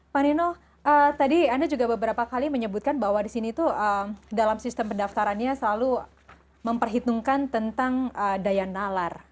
pak nino tadi anda juga beberapa kali menyebutkan bahwa di sini tuh dalam sistem pendaftarannya selalu memperhitungkan tentang daya nalar